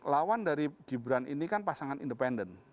lawan dari gibran ini kan pasangan independen